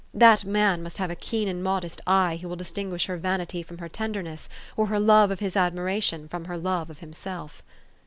That man must have a keen and modest eye who will distinguish her vanity from her tenderness, or her love of his admiration from her love of himself.